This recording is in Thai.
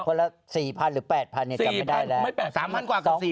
คนละ๔๐๐๐หรือ๘๐๐๐เนี่ยกลับไม่ได้เลย